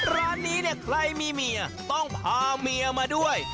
ร้านนี้เนี่ยใครมีเมียต้องพาเมียมาด้วย